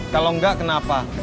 kalau enggak kenapa